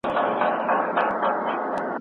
ماشوم د مور له خبرو ژبه زده کوي.